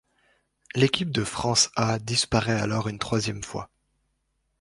L'équipe de France A' disparaît alors une troisième fois.